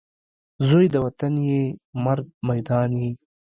زوی د وطن یې ، مرد میدان یې